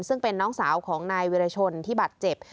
ซึ่งเป็นน้องสาวของนายวิรชนที่บาดเจ็บ